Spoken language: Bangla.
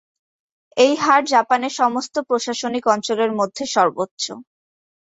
এই হার জাপানের সমস্ত প্রশাসনিক অঞ্চলের মধ্যে সর্বোচ্চ।